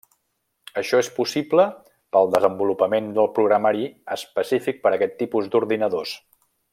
Això és possible pel desenvolupament de programari específic per aquest tipus d'ordinadors.